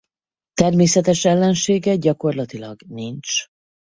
Természetes ellensége gyakorlatilag nincs.